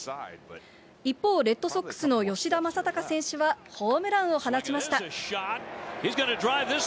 一方、レッドソックスの吉田正尚選手はホームランを放ちました。